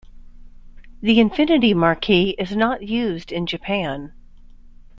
The Infiniti marque is not used in Japan.